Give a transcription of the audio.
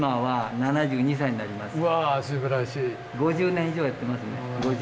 ５０年以上やってますね。